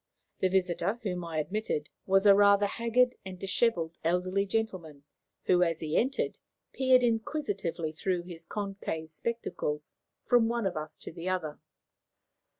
The visitor, whom I admitted, was a rather haggard and dishevelled elderly gentleman, who, as he entered, peered inquisitively through his concave spectacles from one of us to the other.